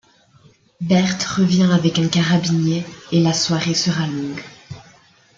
Berthe revient avec un carabinier, et la soirée sera longue...